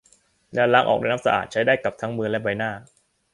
แล้วล้างออกด้วยน้ำสะอาด ใช้ได้กับทั้งมือและใบหน้า